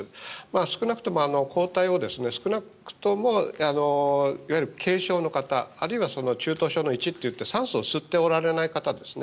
少なくとも抗体をいわゆる軽症の方あるいは中等症の１と言って酸素を吸っておられない方ですね。